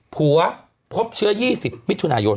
พบเชื้อ๒๐มิถุนายน